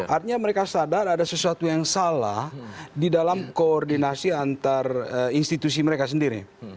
artinya mereka sadar ada sesuatu yang salah di dalam koordinasi antar institusi mereka sendiri